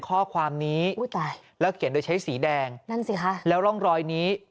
ข้อความนี้แล้วเขียนโดยใช้สีแดงแล้วร่องรอยนี้